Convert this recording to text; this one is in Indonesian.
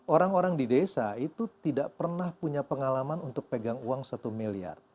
orang orang di desa itu tidak pernah punya pengalaman untuk pegang uang satu miliar